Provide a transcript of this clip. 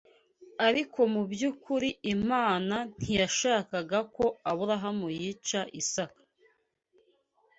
Ariko mu by’ukuri Imana ntiyashakaga ko Aburahamu yica Isaka